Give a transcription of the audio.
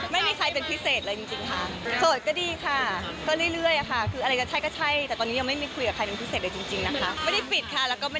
ไม่ได้คิดเรื่องนี้เลยนะตอนนี้จริงค่ะ